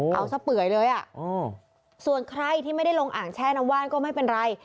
เอาซะเปื่อยเลยอ่ะส่วนใครที่ไม่ได้ลงอ่างแช่น้ำว่านก็ไม่เป็นไร